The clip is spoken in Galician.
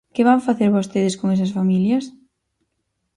¿Que van facer vostedes con esas familias?